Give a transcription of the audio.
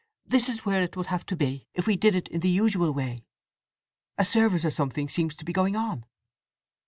This is where it would have to be, if we did it in the usual way? A service or something seems to be going on."